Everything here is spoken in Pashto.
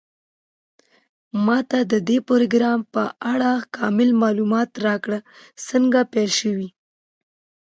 ما ته د دې پروګرام په اړه کامل معلومات راکړئ څنګه پیل شوی